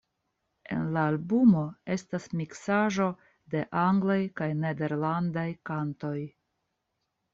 En la albumo estas miksaĵo de anglaj kaj nederlandaj kantoj.